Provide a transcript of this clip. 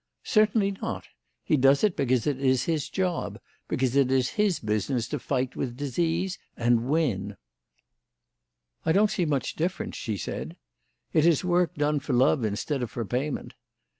"Certainly not. He does it because it is his job, because it is his business to fight with disease and win." "I don't see much difference," she said. "It is work done for love instead of for payment.